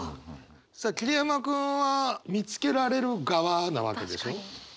さあ桐山君は見つけられる側なわけでしょ？